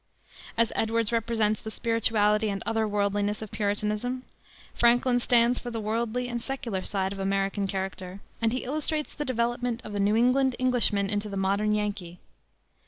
As Edwards represents the spirituality and other worldliness of Puritanism, Franklin stands for the worldly and secular side of American character, and he illustrates the development of the New England Englishman into the modern Yankee.